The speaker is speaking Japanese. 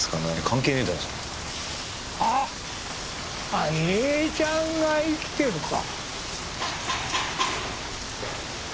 あ栄ちゃんが生きてるか。